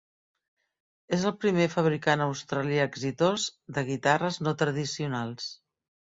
És el primer fabricant australià exitós de guitarres no tradicionals.